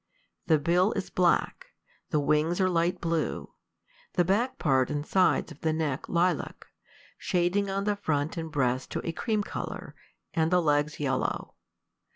The bill is black, the wings are light blue, the back part and sides of the neck lilac, shading on the front and breast to a cream color, and the legs yellow.